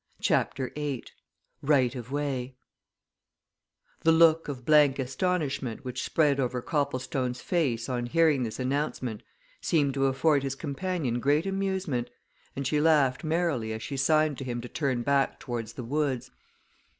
CHAPTER VIII RIGHT OF WAY The look of blank astonishment which spread over Copplestone's face on hearing this announcement seemed to afford his companion great amusement, and she laughed merrily as she signed to him to turn back towards the woods.